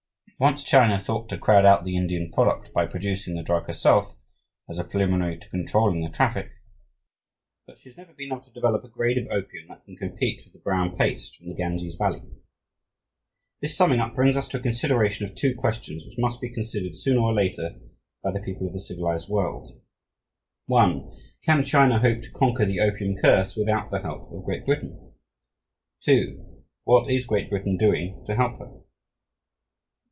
Once China thought to crowd out the Indian product by producing the drug herself, as a preliminary to controlling the traffic, but she has never been able to develop a grade of opium that can compete with the brown paste from the Ganges Valley. This summing up brings us to a consideration of two questions which must be considered sooner or later by the people of the civilized world: 1. Can China hope to conquer the opium curse without the help of Great Britain? 2. What is Great Britain doing to help her?